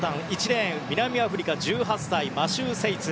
１レーン、南アフリカ１８歳マシュー・セイツ。